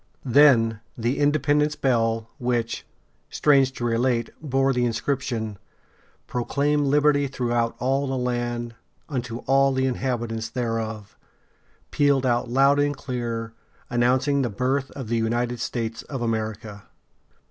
Then the Independence Bell, which, strange to relate, bore the inscription, "Proclaim liberty throughout all the land unto all the inhabitants thereof," pealed out loud and clear, announcing the birth of the United States of America!